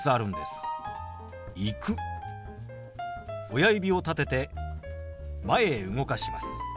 親指を立てて前へ動かします。